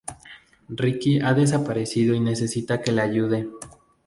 Rickie ha desaparecido y necesita que le ayude.